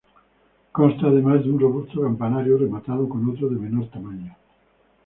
Consta además de un robusto campanario, rematado con otro de menor tamaño.